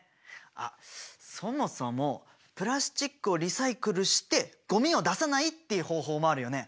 あっそもそもプラスチックをリサイクルしてゴミを出さないっていう方法もあるよね。